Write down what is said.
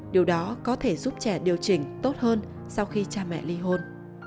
điều đó có thể giúp trẻ điều chỉnh tốt hơn sau khi cha mẹ ly hôn